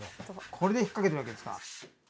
これでひっかけてるわけですか。